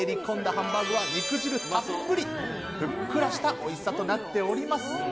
ハンバーグは肉汁たっぷり、ふっくらしたおいしさとなっています。